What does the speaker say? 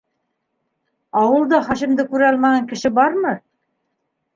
Ауылда Хашимды күрә алмаған кеше бармы?